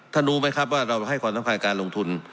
รู้ไหมครับว่าเราให้ความสำคัญการลงทุน